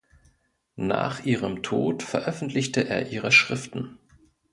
Nach ihrem Tod veröffentlichte er ihre Schriften.